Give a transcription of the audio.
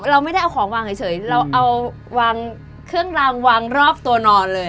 เราไม่ได้เอาของวางเฉยเราเอาวางเครื่องรางวางรอบตัวนอนเลย